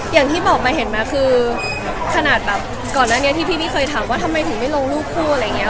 อย่างที่บอกมาเห็นไหมคือขนาดแบบก่อนหน้านี้ที่พี่เคยถามว่าทำไมถึงไม่ลงรูปคู่อะไรอย่างนี้